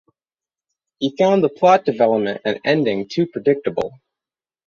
He found the plot development and ending too predictable.